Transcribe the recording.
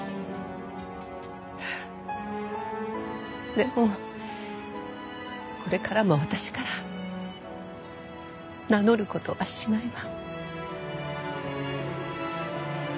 でもこれからも私から名乗る事はしないわ。